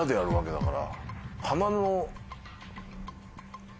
だから。